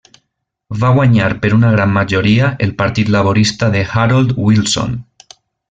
Va guanyar per una gran majoria el Partit Laborista de Harold Wilson.